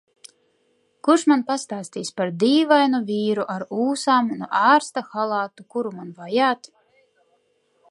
Kurš man pastāstīs par dīvainu vīru ar ūsām un ārsta halātu kuru man vajāt?